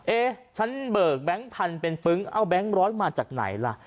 เอ๊ะฉันเบิกแบงค์พันธุ์เป็นปึ๊งเอาแบงค์ร้อยมาจากไหนล่ะ